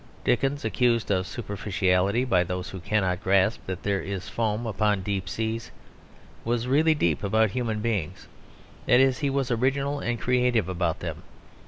Dickens (accused of superficiality by those who cannot grasp that there is foam upon deep seas) was really deep about human beings; that is, he was original and creative about them.